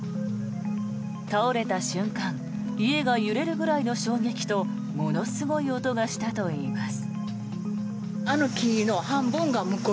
倒れた瞬間家が揺れるぐらいの衝撃とものすごい音がしたといいます。